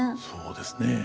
そうですね。